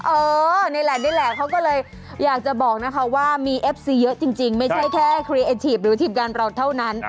เออนี่แหละนี่แหละเขาก็เลยอยากจะบอกนะคะว่ามีเอฟซีเยอะจริงไม่ใช่แค่ครีเอทีฟหรือทีมงานเราเท่านั้น